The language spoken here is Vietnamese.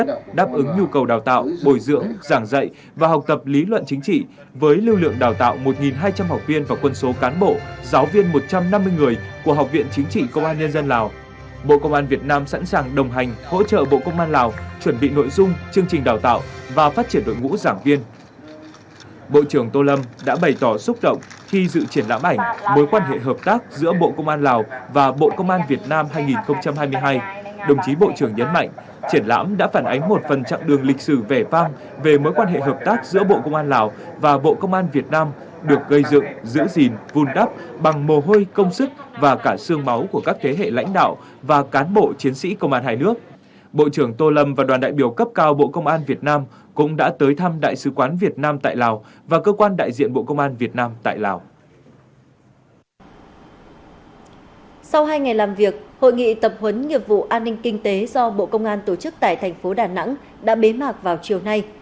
sau hai ngày làm việc hội nghị tập huấn nghiệp vụ an ninh kinh tế do bộ công an tổ chức tại thành phố đà nẵng đã bế mạc vào chiều nay